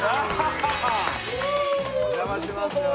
お邪魔します。